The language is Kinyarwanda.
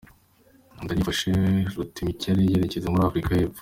Ndari yafashe rutemikirere yerekeza muri Afurika y’Epfo